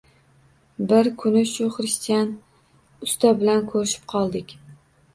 Bir kuni shu xristian usta bilan ko‘rishib qoldik.